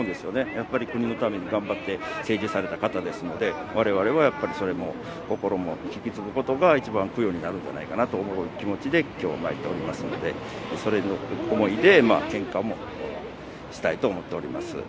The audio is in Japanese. やっぱり国のために頑張って政治された方ですのでわれわれはそれも心も引き継ぐことが一番、供養になるんじゃないかなという気持ちで今日は参っておりますのでその思いで献花もしたいと思っております。